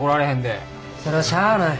それはしゃあない。